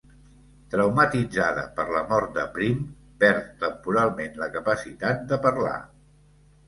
Traumatitzada per la mort de Prim, perd temporalment la capacitat de parlar.